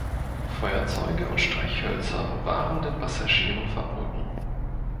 Feuerzeuge und Streichhölzer waren den Passagieren verboten.